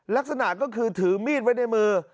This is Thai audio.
ลักษณะก็คือถือมีดไว้ในมือ